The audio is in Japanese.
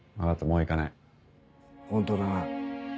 もう行かない本当だな？